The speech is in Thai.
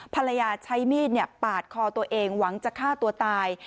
ใช้มีดปาดคอตัวเองหวังจะฆ่าตัวตาย